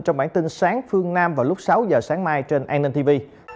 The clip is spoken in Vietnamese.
trong bản tin sáng phương nam vào lúc sáu h sáng mai trên anan tv